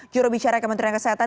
juru bicara kementerian kesehatan